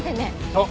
そう。